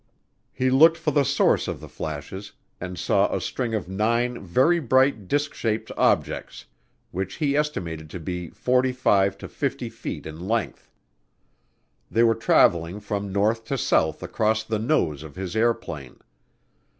He looked for the source of the flashes and saw a string of nine very bright disk shaped objects, which he estimated to be 45 to 50 feet in length. They were traveling from north to south across the nose of his airplane.